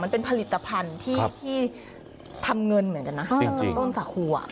มันเป็นผลิตภัณฑ์ที่ทำเงินเหมือนกันนะต้นสาคูอ่ะ